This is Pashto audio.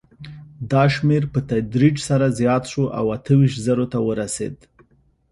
دا شمېر په تدریج سره زیات شو او اته ویشت زرو ته ورسېد.